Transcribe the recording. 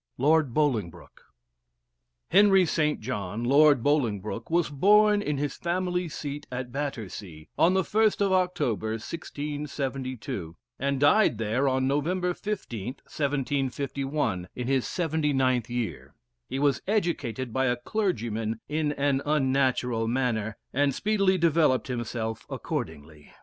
LORD BOLINGBROKE. Henry St. John, Lord Bolingbroke, was born in his family seat at Battersea, on the 1st of October 1672, and died there on November 15th, 1751, in his 79th year. He was educated by a clergyman in an unnatural manner, and speedily developed himself accordingly.